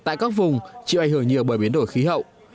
tại các vùng chịu ảnh hưởng nhiều bởi biến đổi khí hậu